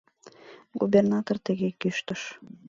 Губернатор тыге кӱштыш: